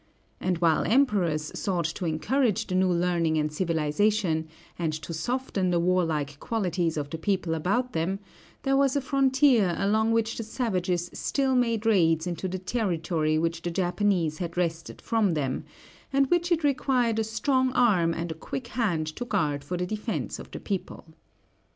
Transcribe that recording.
And while emperors sought to encourage the new learning and civilization, and to soften the warlike qualities of the people about them, there was a frontier along which the savages still made raids into the territory which the Japanese had wrested from them, and which it required a strong arm and a quick hand to guard for the defense of the people.